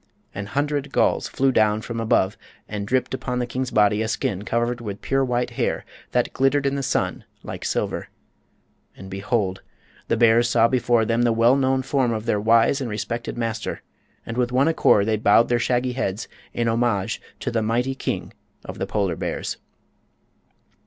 An hundred gulls flew down from above and dripped upon the king's body a skin covered with pure white hair that glittered in the sun like silver. And behold! the bears saw before them the well known form of their wise and respected master, and with one accord they bowed their shaggy heads in homage to the mighty King of the Polar Bears.